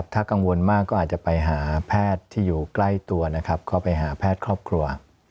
ถ้ากังวลมากก็อาจจะไปหาแพทย์ที่อยู่ใกล้ตัวนะครับก็ไปหาแพทย์ครอบครัว